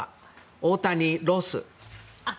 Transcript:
大谷、ロス。